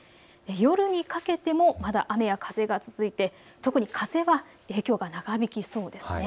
夜にかけてもまだ雨や風が続いて特に風は影響が長引きそうですね。